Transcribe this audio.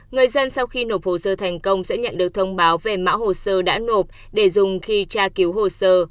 người dân sau khi nộp hồ sơ thành công sẽ nhận được thông báo về mã hồ sơ đã nộp để dùng khi tra cứu hồ sơ